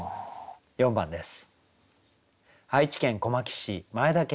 ４番です。